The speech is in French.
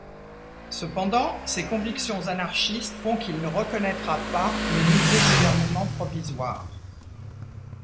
Cependant, ses convictions anarchistes font qu'il ne reconnaîtra pas le nouveau gouvernement provisoire.